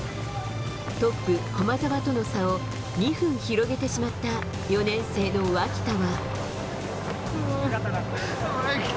トップ、駒澤との差を２分広げてしまった４年生の脇田は。